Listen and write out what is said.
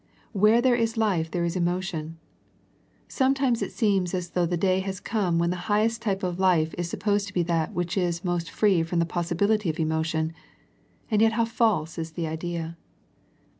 Where there is life there is emotion. Sometimes it seems as though the day has come when the highest type of life is supposed to be that which is most free from the possibility of emotion, and yet how false is the idea.